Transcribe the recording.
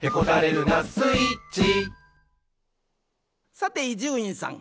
さて伊集院さん。